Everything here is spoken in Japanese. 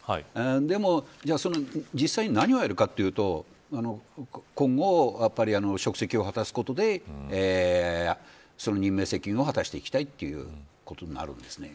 でも実際に何をやるかというと今後、職責を果たすことでその任命責任を果たしていきたいということになるんですね。